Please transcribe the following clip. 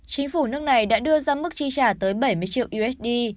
chính phủ nước này đã đưa ra mức chi trả tới bảy mươi